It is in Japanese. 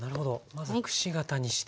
まずくし形にして。